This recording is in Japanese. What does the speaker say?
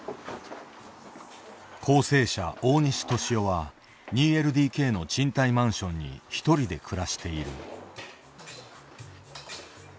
校正者大西寿男は２ＬＤＫの賃貸マンションにひとりで暮らしている。